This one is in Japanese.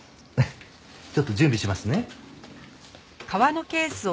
ちょっと準備しますね。